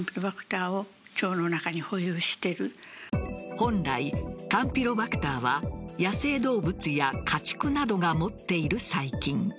本来、カンピロバクターは野生動物や家畜などが持っている細菌。